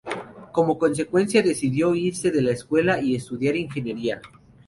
Como consecuencia, decidió irse de la escuela y estudiar ingeniería.